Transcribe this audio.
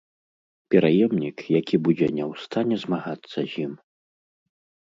Пераемнік, які будзе не ў стане змагацца з ім.